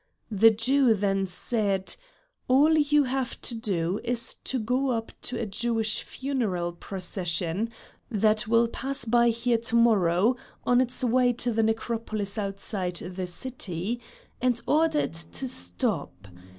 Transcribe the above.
The Jew then said: "All you have to do is to go up to a Jewish funeral procession that will pass by here to morrow on its way to the necropolis outside the city, and order it to stop.